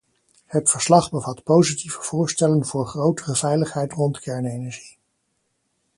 Het verslag bevat positieve voorstellen voor grotere veiligheid rond kernenergie.